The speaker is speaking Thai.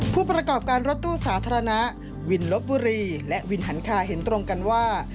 ผู้ประกอบการรถตู้สาธารณะวินลบบุรีและวินหันคาเห็นตรงกันว่า